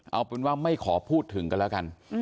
เอาเป็นว่าไม่ขอพูดถึงกันแล้วกัน